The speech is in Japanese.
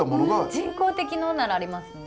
人工的のならありますね。